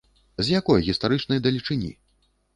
З якой гістарычнай далечыні?